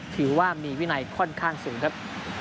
ถือว่ามีวินัยค่อนข้างสูงครับ